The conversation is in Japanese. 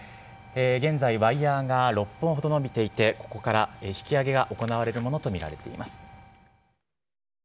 現在、ワイヤーが６本ほど伸びていて、ここから引き揚げが行われるものと見られています。